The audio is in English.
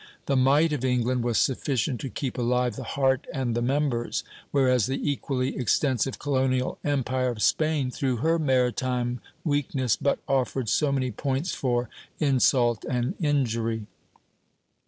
The might of England was sufficient to keep alive the heart and the members; whereas the equally extensive colonial empire of Spain, through her maritime weakness, but offered so many points for insult and injury.